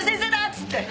っつって。